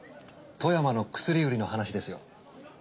富山の薬売りの話ですよ。